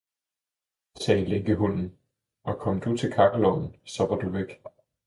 sagde lænkehunden, og kom du til kakkelovnen, så var du væk!